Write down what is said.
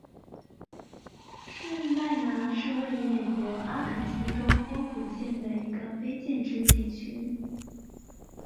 士麦拿是位于美国阿肯色州波普县的一个非建制地区。